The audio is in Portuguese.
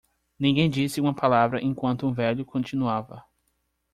Ninguém disse uma palavra enquanto o velho continuava.